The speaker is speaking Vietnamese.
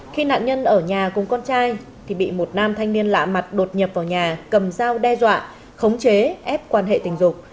khi nạn nhân ở nhà cùng con trai thì bị một nam thanh niên lạ mặt đột nhập vào nhà cầm dao đe dọa khống chế ép quan hệ tình dục